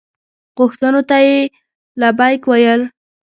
غوښتنو ته یې لبیک وویل.